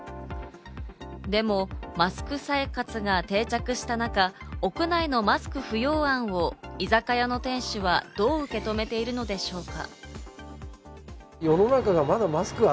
でも、マスク生活が定着した中、屋内のマスク不要案を居酒屋の店主はどう受け止めているのでしょうか？